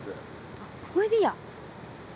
あっこれでいいや。